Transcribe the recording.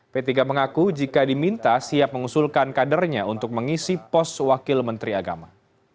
p tiga mengaku jika diminta siap mengusulkan kadernya untuk mengisi pos wakil menteri agama